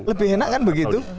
lebih enak kan begitu